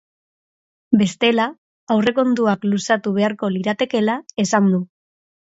Bestela, aurrekontuak luzatu beharko liratekeela esan du.